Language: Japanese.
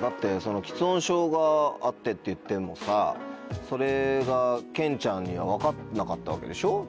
だって吃音症があってっていってもさそれがケンちゃんには分かんなかったわけでしょ？